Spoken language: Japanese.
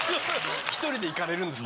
一人で行かれるんですか？